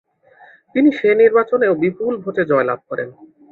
তিনি সে নির্বাচনেও বিপুল ভোটে জয়লাভ করেন।